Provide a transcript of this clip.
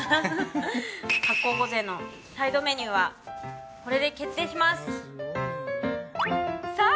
発酵御膳のサイドメニューはこれで決定しますさあ